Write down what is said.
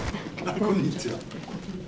こんにちは。